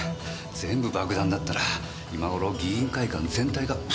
全部爆弾だったら今頃議員会館全体が吹っ飛んでますよ。